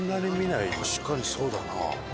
確かにそうだな。